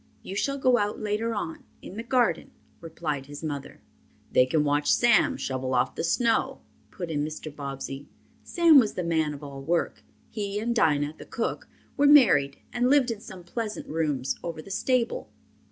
"You shall go out later on, in the garden," replied his mother. "They can watch Sam shovel off the snow," put in Mr. Bobbsey. Sam was the man of all work. He and Dinah, the cook, were married and lived in some pleasant rooms over the stable.